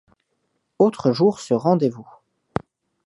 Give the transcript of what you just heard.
Autres jours sur rendez-vous.